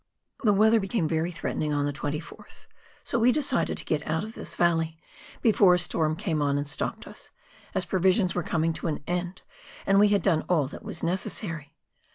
The weather became very threatening on the 24th, so we decided to get out of this valley, before a storm came on and stopped us, as provisions were coming to an end, and we had done all that was necessary.